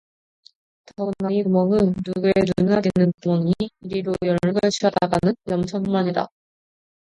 더구나 이 구멍은 누구의 눈에나 띄는 구멍이니 이리로 연락을 취하다가는 위험천만이다.